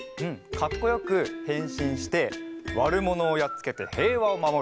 かっこよくへんしんしてわるものをやっつけてへいわをまもる！